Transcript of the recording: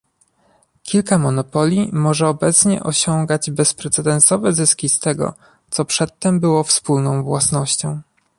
Kilka monopoli może obecnie osiągać bezprecedensowe zyski z tego, co przedtem było wspólną własnością